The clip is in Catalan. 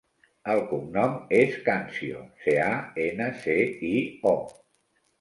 El cognom és Cancio: ce, a, ena, ce, i, o.